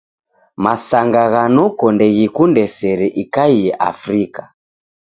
Masanga gha noko ndeghikunde sere ikaie Afrika.